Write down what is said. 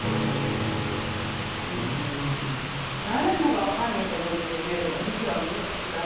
誰もが犯人と思っていたジュエルが実は無実だった。